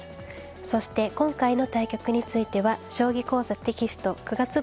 そして今回の対局については「将棋講座」テキスト９月号に掲載致します。